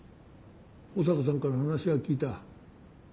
保坂さんから話は聞いた。